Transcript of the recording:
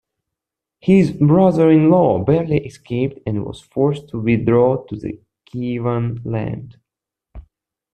His brother-in-law barely escaped and was forced to withdraw to the Kievan land.